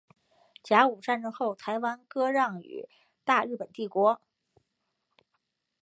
甲午战争后台湾割让予大日本帝国。